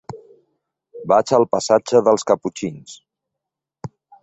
Vaig al passatge dels Caputxins.